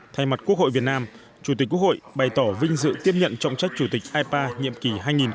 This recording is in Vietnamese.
thay mặt quốc hội việt nam chủ tịch quốc hội bày tỏ vinh dự tiếp nhận trọng trách chủ tịch ipa nhiệm kỳ hai nghìn hai mươi hai nghìn hai mươi